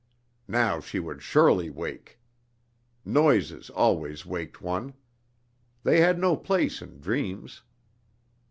Now she would surely wake! Noises always waked one. They had no place in dreams.